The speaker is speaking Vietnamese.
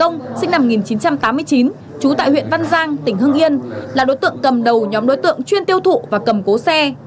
nguyễn ngọc sinh năm một nghìn chín trăm tám mươi chín trú tại huyện văn giang tỉnh hưng yên là đối tượng cầm đầu nhóm đối tượng chuyên tiêu thụ và cầm cố xe